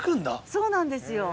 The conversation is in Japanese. そうなんですよ。